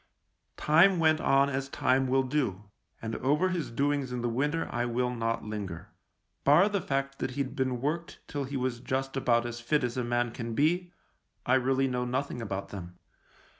Time went on as time will do, and over his doings in the winter I will not linger. Bar the fact that he'd been worked till he was just about as fit as a man can be, I really know nothing about them.